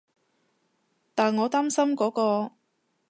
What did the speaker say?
但我擔心嗰個